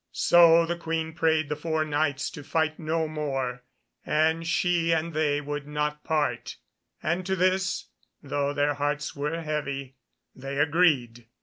So the Queen prayed the four Knights to fight no more, and she and they would not part, and to this, though their hearts were heavy, they agreed.